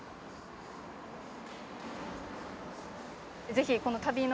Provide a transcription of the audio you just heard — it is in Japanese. ぜひこの旅の。